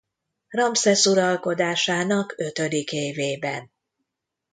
Ramszesz uralkodásának ötödik évében.